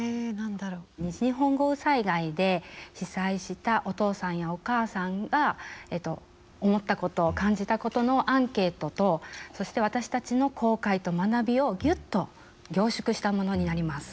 西日本豪雨災害で被災したお父さんやお母さんが思ったこと感じたことのアンケートとそして私たちの後悔と学びをギュッと凝縮したものになります。